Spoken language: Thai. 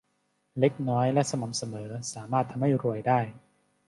เล็กน้อยและสม่ำเสมอสามารถทำให้รวยได้